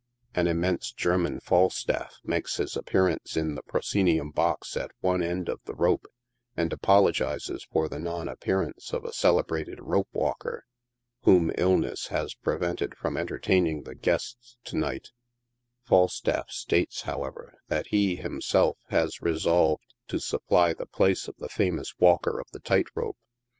An immense German Falstaff makes his appearance in the proscenium box at one end of the rope, and apologizes for the non appearance of a celebrated rope walker, whom illness has prevented from entertaining the guests to night, Falstaff states, however, that he, himself, has re solved to supply the place of the famous walker of the tight rope.